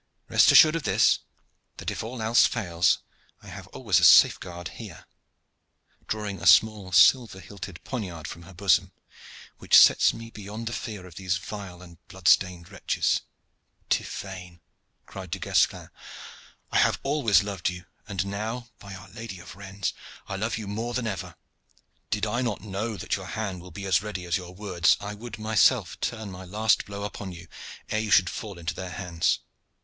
Rest assured of this, that if all else fail I have always a safeguard here" drawing a small silver hilted poniard from her bosom "which sets me beyond the fear of these vile and blood stained wretches." "Tiphaine," cried Du Guesclin, "I have always loved you; and now, by Our Lady of Rennes! I love you more than ever. Did I not know that your hand will be as ready as your words I would myself turn my last blow upon you, ere you should fall into their hands.